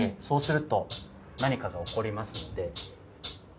そうすると何かが起こりますので。